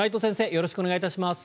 よろしくお願いします。